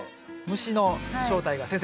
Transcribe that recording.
虫の正体が先生